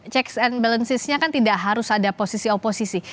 checks and balancesnya kan tidak harus ada posisi oposisi